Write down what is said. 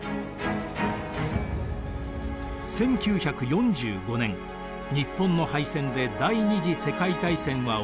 １９４５年日本の敗戦で第二次世界大戦は終わります。